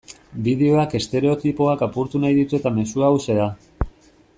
Bideoak estereotipoak apurtu nahi ditu eta mezua hauxe da.